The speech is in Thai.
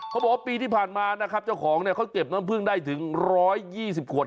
เขาบอกว่าปีที่ผ่านมานะครับเจ้าของเนี่ยเขาเก็บน้ำพึ่งได้ถึง๑๒๐ขวด